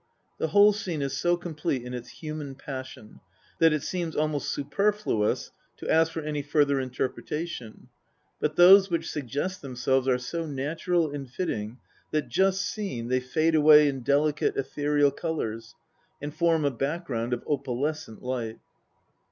The whole scene is so complete in its human passion that it seems almost superfluous to ask for any further interpretation ; but those which suggest themselves are so natural and fitting that, just seen, they fade away in delicate ethereal colours, and form a background of opalescent light.